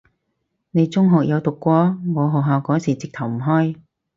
你中學有讀過？我學校嗰時直頭唔開